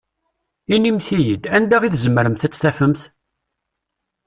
Inimt-iyi-id, anda i tzemremt ad t-tafemt?